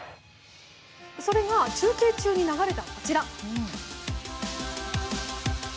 それが中継中に流れたこちら。